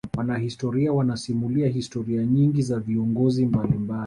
wanahistoria wanasimulia historia nyingi za viongozi mbalimbali